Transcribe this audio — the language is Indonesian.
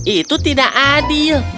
itu tidak adil